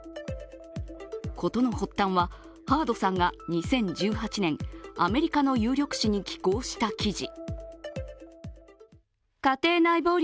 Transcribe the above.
事の発端は、ハードさんが２０１８年、アメリカの有力紙に寄稿した記事。